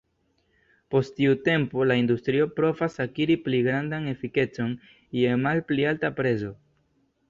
Post tiu tempo, la industrio provas akiri pli grandan efikecon je malpli alta prezo.